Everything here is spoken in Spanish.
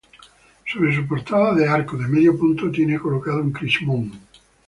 Sobre su portada de arco de medio punto tiene colocado un crismón.